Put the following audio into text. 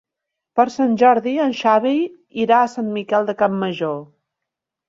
Per Sant Jordi en Xavi irà a Sant Miquel de Campmajor.